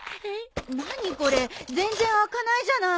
何これ全然開かないじゃない。